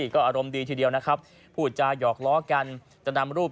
ก็ต้องบอกว่าท่านนายกท่านสมัยแล้ว